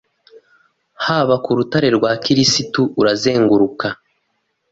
Haba ku rutare rwa kirisiti urazunguruka